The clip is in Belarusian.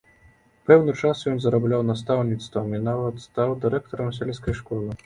Пэўны час ён зарабляў настаўніцтвам і нават стаў дырэктарам сельскай школы.